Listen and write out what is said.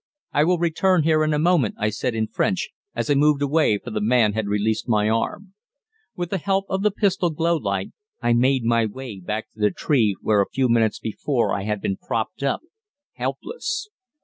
"I will return here in a moment," I said in French, as I moved away, for the man had released my arm. With the help of the pistol glow light I made my way back to the tree where a few minutes before I had been propped up, helpless.